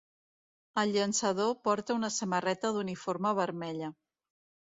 El llançador porta una samarreta d'uniforme vermella